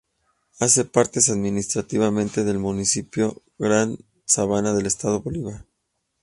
Hace parte administrativamente del Municipio Gran Sabana del Estado Bolívar.